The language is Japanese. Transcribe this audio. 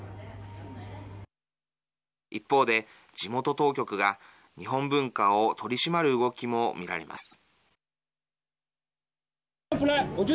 一方で、地元当局が日本文化を取り締まる動きも見られます。